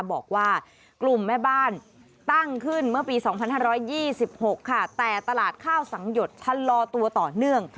บอกว่ากลุ่มแม่บ้านตั้งขึ้นเมื่อปี๒๕๒๖ค่ะแต่ตลาดข้าวสังหยดชะลอตัวต่อเนื่อง